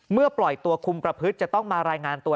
ปล่อยตัวคุมประพฤติจะต้องมารายงานตัว